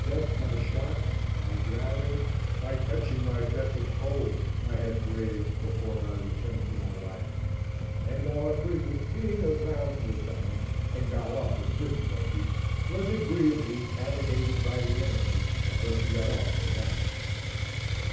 Death by shot, by drowning, by catching my death of cold, I had braved before I returned to my wife; and our frigate being aground for a time and got off with difficulty, was agreeably cannonaded by the enemy until she got off her bank.